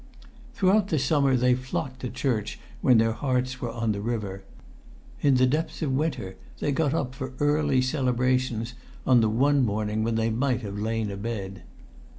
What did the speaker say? Throughout the summer they flocked to church when their hearts were on the river; in the depths of winter they got up for early celebration on the one morning when they might have lain abed.